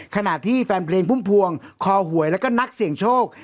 ขณะที่แฟนเพลงพุ่มพวงคอหวยแล้วก็นักเสี่ยงโชค